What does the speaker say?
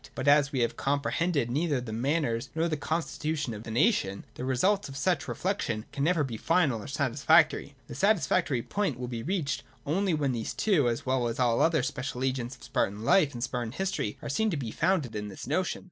But, as we have comprehended neither the manners nor the constitution of the nation, the result of such reflec tions can never be final or satisfactory. The satisfactory 282 THE DOCTRINE OF ESSENCE. [156 158. point will be reached only when these two, as well as all other, special aspects of Spartan life and Spartan history are seen to be founded in this notion.